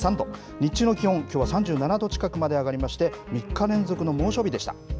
日中の気温、きょうは３７度近くまで上がりまして、３日連続の猛暑日でした。